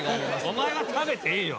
お前は食べていいよ。